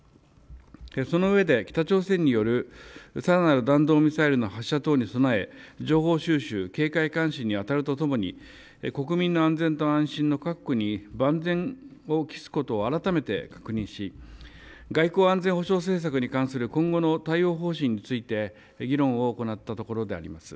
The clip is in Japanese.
そのうえで北朝鮮によるさらなる弾道ミサイルの発射等に備え、情報収集、警戒監視にあたるとともに国民の安全と安心の確保に万全を期すことを改めて確認し外交安全保障政策に関する今後の対応方針について議論を行ったところであります。